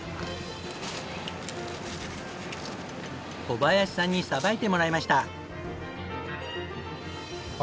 小林さんにさばいてもらいました。